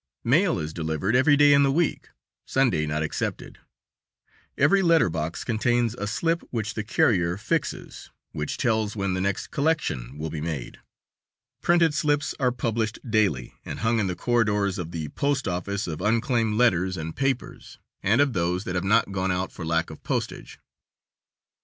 Mail is delivered every day in the week, Sunday not excepted. Every letter box contains a slip which the carrier fixes, which tells when the next collection will be made. Printed slips are published daily, and hung in the corridors of the post office, of unclaimed letters and papers, and of those that have not gone out for lack of postage.